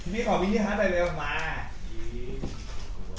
พี่ขอวินทิศครับไลฟ์เร็วมา